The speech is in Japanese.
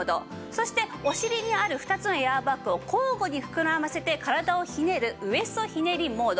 そしてお尻にある２つのエアバッグを交互に膨らませて体をひねるウエストひねりモード。